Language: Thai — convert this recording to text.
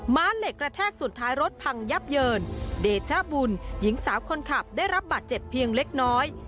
้าเหล็กกระแทกสุดท้ายรถพังยับเยินเดชบุญหญิงสาวคนขับได้รับบาดเจ็บเพียงเล็กน้อย